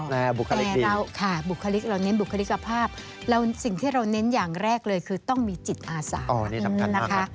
แต่เราค่ะบุคลิกเราเน้นบุคลิกภาพสิ่งที่เราเน้นอย่างแรกเลยคือต้องมีจิตอาสานะคะ